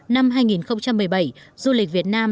năm hai nghìn một mươi bảy du lịch việt nam